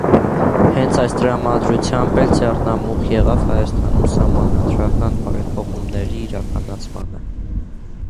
Հենց այս տրամաբանությամբ էլ ձեռնամուխ եղանք Հայաստանում սահմանադրական բարեփոխումների իրականացմանը։